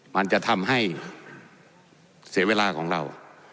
มันจะทำให้เสียเวลาของเรา